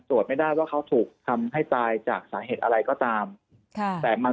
ไม่ได้ว่าเขาถูกทำให้ตายจากสาเหตุอะไรก็ตามค่ะแต่มัน